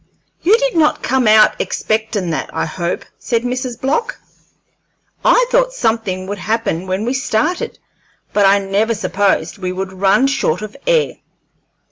"You did not come out expectin' that, I hope?" said Mrs. Block. "I thought something would happen when we started, but I never supposed we would run short of air."